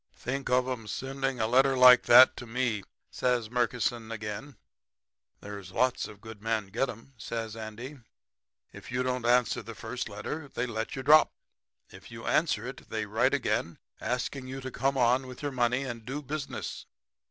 "'Think of 'em sending a letter like that to ME!' says Murkison again. [Illustration: "'Think of 'em sending a letter like that to ME!'"] "'Lot's of good men get 'em,' says Andy. 'If you don't answer the first letter they let you drop. If you answer it they write again asking you to come on with your money and do business.'